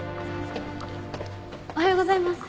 おはようございます。